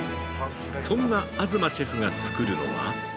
そんな東シェフが作るのは◆